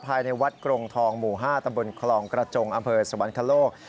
ภายในวัดกรงทองหมู่๕ตำบลคลองกระจงอำเภอสวรรคโลก